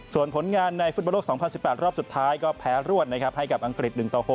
ส่วนผลงานในฟุตบอลโลก๒๐๑๘รอบสุดท้ายก็แพ้รวดนะครับให้กับอังกฤษ๑ต่อ๖